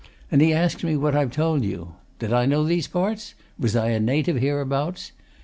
And he asked me what I've told you. Did I know these parts? was I a native hereabouts?